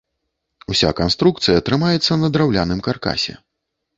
Уся канструкцыя трымаецца на драўляным каркасе.